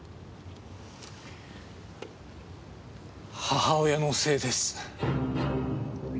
母親のせいです。